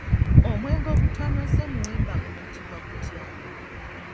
Omwenge ogutanoze muwemba guyitibwa gutya?